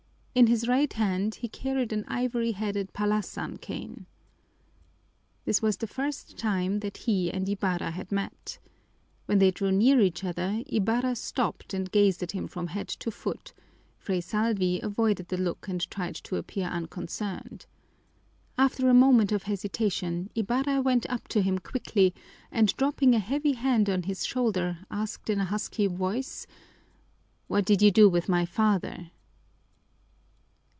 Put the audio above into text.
In his right hand he carried an ivory headed palasan cane. This was the first time that he and Ibarra had met. When they drew near each other Ibarra stopped and gazed at him from head to foot; Fray Salvi avoided the look and tried to appear unconcerned. After a moment of hesitation Ibarra went up to him quickly and dropping a heavy hand on his shoulder, asked in a husky voice, "What did you do with my father?"